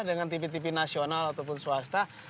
dengan tv tv nasional ataupun swasta